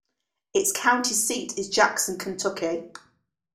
Its county seat is Jackson, Kentucky.